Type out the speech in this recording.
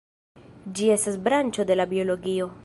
Ĝi estas branĉo de la biologio.